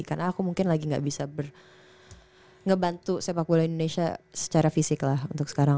karena aku mungkin lagi gak bisa ngebantu sepak bola indonesia secara fisik lah untuk sekarang